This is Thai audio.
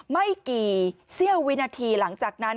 ไม่กี่เสี้ยววินาทีหลังจากนั้น